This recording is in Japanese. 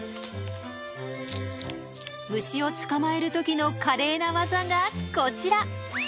虫を捕まえる時の華麗な技がこちら。